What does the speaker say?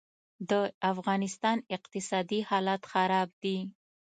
دافغانستان اقتصادي حالات خراب دي